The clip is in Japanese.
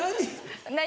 何？